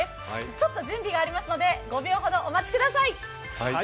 ちょっと準備がありますので５秒ほどお待ちください。